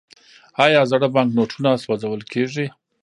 آیا زاړه بانکنوټونه سوځول کیږي؟